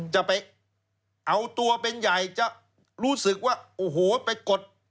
จะเอาตัวเป็นใหญ่จะรู้สึกว่าโอ้โหไปกด